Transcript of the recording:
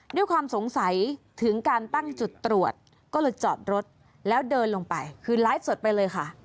ด้วยความสงสัยถึงการตั้งจุดตรวจก็เลยจอดรถแล้วเดินลงไปคือไลฟ์สดไปเลยค่ะ